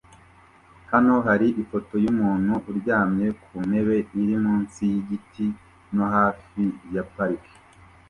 Hano hari ifoto yumuntu uryamye ku ntebe iri munsi yigiti no hafi ya parike